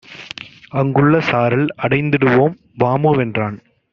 அங்குள்ள சாரல் அடைந்திடுவோம் வாமுவென்றான்.